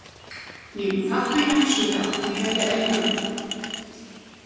Neben Fachbüchern schrieb er auch Bücher der Erinnerung.